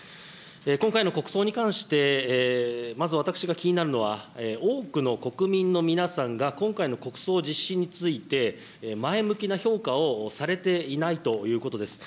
今回の国葬に関して、まず私が気になるのは、多くの国民の皆さんが、今回の国葬実施について、前向きな評価をされていないということです。